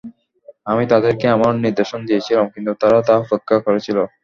আমি তাদেরকে আমার নিদর্শন দিয়েছিলাম, কিন্তু তারা তা উপেক্ষা করেছিল।